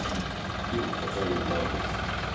今こちらに向かわれてます。